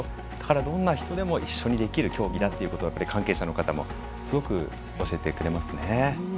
どんな人でも一緒にできる競技だと、関係者の方もすごく教えてくれますね。